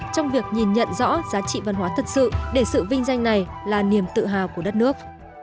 trong việc nhìn nhận rõ giá trị văn hóa thật sự để sự vinh danh này là niềm tự hào của đất nước